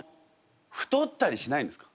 太ったりしないんですか？